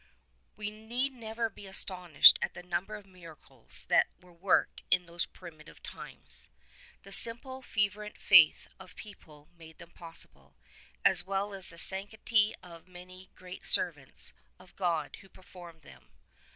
We need never be astonished at thenumber of miracles that were worked in those primitive times. The simple, fervent faith of the people made them possible, as well as the sanctity of the many great servants of God who performed them.